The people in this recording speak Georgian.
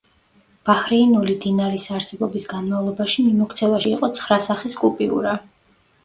ბაჰრეინული დინარის არსებობის განმავლობაში მიმოქცევაში იყო ცხრა სახის კუპიურა.